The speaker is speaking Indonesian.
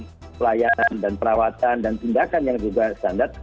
pelayanan dan perawatan dan tindakan yang juga standar